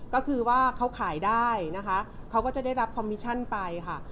ก็คือว่าเขาขายได้นะคะเขาก็จะได้รับคอมมิชั่นไปค่ะ